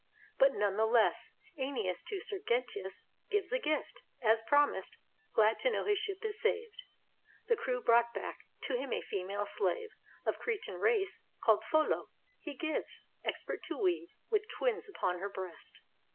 But none the less ^neas to Sergestus gives a gift As promised, glad to know his ship is saved, And crew brought back. To him a female slave Of Cretan race, called Pholoe, he gives. Expert to weave, with twins upon her breast.